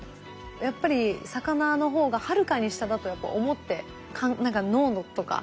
やっぱり魚の方がはるかに下だとやっぱ思って何か脳とか。